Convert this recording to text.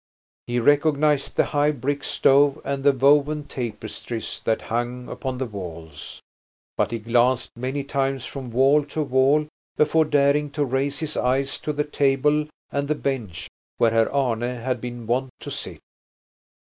He recognized the high brick stove and the woven tapestries that hung upon the walls. But he glanced many times from wall to wall before daring to raise his eyes to the table and the bench where Herr Arne had been wont to sit.